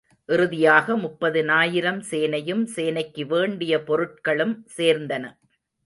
இறுதியாக, முப்பதினாயிரம் சேனையும், சேனைக்கு வேண்டிய பொருட்களும் சேர்ந்தன.